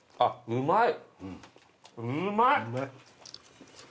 うまい。